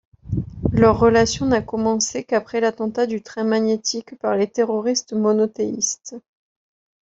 Leur relation n'a commencé qu'après l'attentat du train magnétique par les terroristes monothéistes.